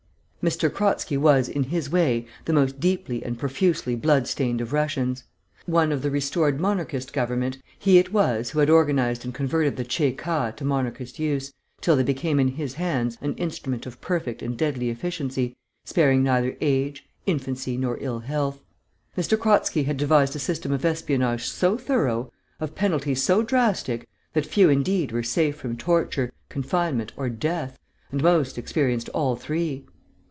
M. Kratzky was, in his way, the most deeply and profusely blood stained of Russians. One of the restored Monarchist government, he it was who had organised and converted the Tche ka to Monarchist use, till they became in his hands an instrument of perfect and deadly efficiency, sparing neither age, infancy, nor ill health. M. Kratzky had devised a system of espionage so thorough, of penalties so drastic, that few indeed were safe from torture, confinement, or death, and most experienced all three.